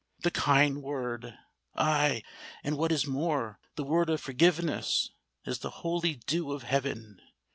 The kind word—aye, and what is more, the word of forgiveness—is the holy dew of heaven.